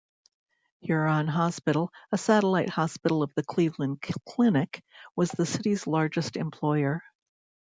Huron Hospital, a satellite hospital of the Cleveland Clinic, was the city's largest employer.